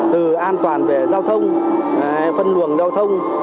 từ an toàn về giao thông phân luồng giao thông